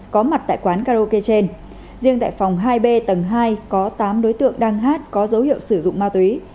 có mặt tại quán karaoke trên riêng tại phòng hai b tầng hai có tám đối tượng đang hát có dấu hiệu sử dụng ma túy